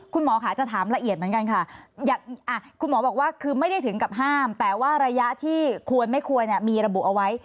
คุณหมอค่ะจะถามละเอียดเหมือนกันค่ะคุณหมอบอกว่าคือไม่ได้ถึงกับห้ามแต่ว่าระยะที่ควรไม่ควรมีระบุเอาไว้